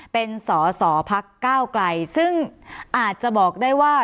เป็นสศพรักเก้ากลัยซึ่งอาจจะบอกได้ว่า